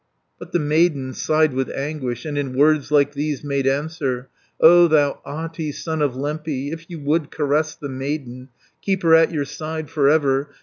But the maiden sighed with anguish, And in words like these made answer, 290 "O thou Ahti, son of Lempi, If you would caress the maiden, Keep her at your side for ever.